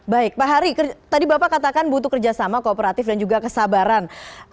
baik pak hari tadi bapak katakan butuh kerjasama kooperatif dan juga kesabaran